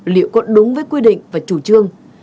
liệu có đúng với quy định và chủ trương